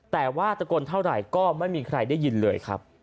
แต่ว่าตะโกนเท่าไหร่ก็ไม่มีใครได้ยินเลยครับ